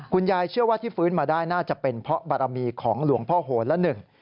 เชื่อว่าที่ฟื้นมาได้น่าจะเป็นเพราะบารมีของหลวงพ่อโหนละหนึ่ง